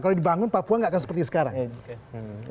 kalau dibangun papua tidak akan seperti sekarang